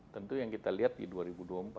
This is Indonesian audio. tentu yang kita lihat di dua ribu dua puluh empat